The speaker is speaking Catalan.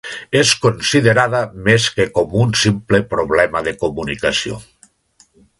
És considerada més que com un simple problema de comunicació.